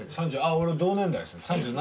俺同年代です３７